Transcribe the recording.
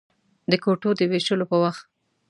د کوټو د وېشلو په وخت.